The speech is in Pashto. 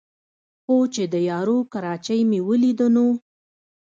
خو چې د یارو کراچۍ مې ولېده نو